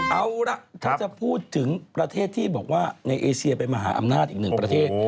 เอาล่ะถ้าจะพูดถึงประเทศที่บอกว่าในเอเชียเป็นมหาอำนาจอีกหนึ่งประเทศ